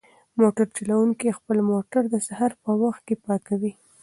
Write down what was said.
موټر چلونکی خپل موټر د سهار په وخت کې پاکوي.